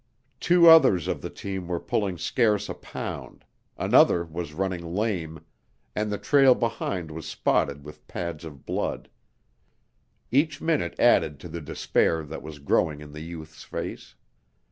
Two others of the team were pulling scarce a pound, another was running lame, and the trail behind was spotted with pads of blood. Each minute added to the despair that was growing in the youth's face.